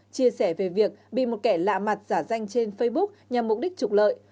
chia sẻ về việc bị một kẻ lạ mặt giả danh trên facebook nhằm mục đích trục lợi